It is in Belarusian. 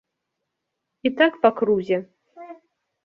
І так па крузе.